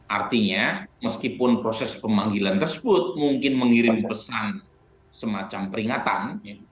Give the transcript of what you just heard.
artinya meskipun proses pemanggilan tersebut mungkin mengirim pesan semacam peringatan